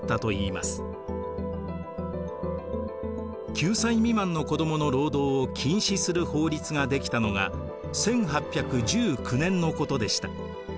９歳未満の子どもの労働を禁止する法律ができたのが１８１９年のことでした。